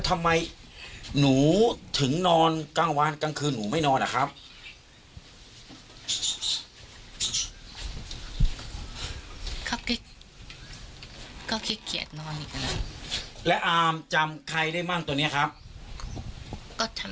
ตอบไม่ถูกขึ้นลดนะใครพูดดังพูดดังบ๊วยโดรน่า